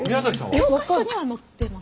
教科書には載ってます。